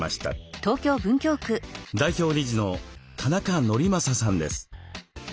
代表理事の田中法昌さんです。